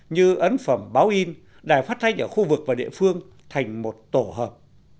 như ấn phẩm báo in đài phát thanh ở khu vực và địa phương thành một tổ hợp